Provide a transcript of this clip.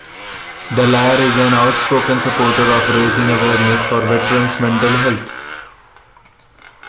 Dallaire is an outspoken supporter of raising awareness for veterans' mental health.